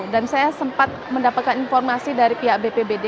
dan saya sempat mendapatkan informasi dari pihak bpbd